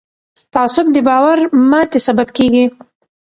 تعصب د باور ماتې سبب کېږي